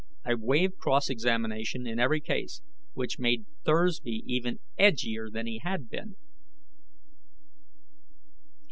I waived cross examination in every case, which made Thursby even edgier than he had been.